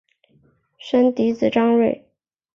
生嫡子张锐。